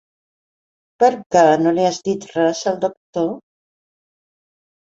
Per què no li has dit res al doctor?